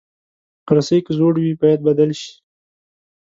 رسۍ که زوړ وي، باید بدل شي.